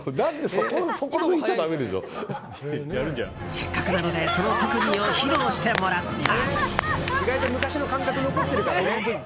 せっかくなのでその特技を披露してもらった！